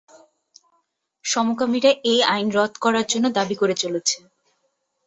সমকামীরা এই আইন রদ করার জন্য দাবী করে চলেছে।